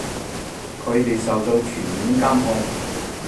佢哋受到全面監控